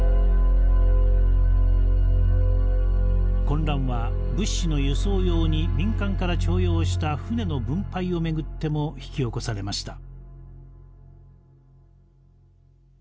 混乱は物資の輸送用に民間から徴用した船の分配を巡っても引き起こされました。